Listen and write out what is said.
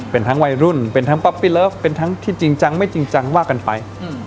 เป็นทั้งวัยรุ่นเป็นทั้งป๊อปปี้เลิฟเป็นทั้งที่จริงจังไม่จริงจังว่ากันไป